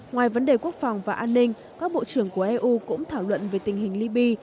ngoài vấn đề quốc phòng và an ninh các bộ trưởng của eu cũng thảo luận về tình hình liby